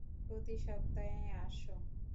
প্রতি সপ্তাহে আসো?